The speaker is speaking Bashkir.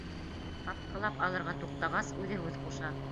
Ҡапҡылап алырға туҡтағас, үҙе һүҙ ҡуша.